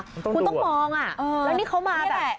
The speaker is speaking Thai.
คุณก็ต้องมองเนี้ยเขามาแบบ